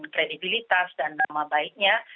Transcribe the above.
kredibilitas dan nama baiknya